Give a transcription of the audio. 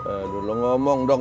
aduh lu ngomong dong